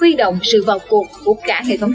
huy động sự vào cuộc của cả hệ thống